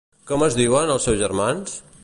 Com es diuen els seus germans?